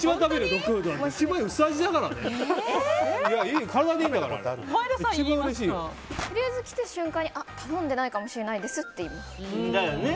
とりあえず来た瞬間に頼んでないかもしれないですって言います。